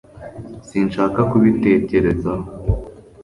Sinshaka kubitekerezaho